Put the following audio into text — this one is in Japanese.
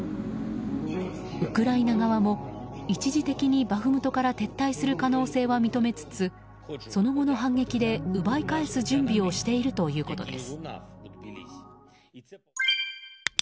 ウクライナ側も一時的にバフムトから撤退する可能性は認めつつその後の反撃で奪い返す準備をしているということです。